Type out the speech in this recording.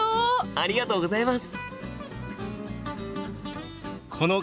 ありがとうございます！